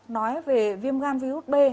nói về viêm gan virus b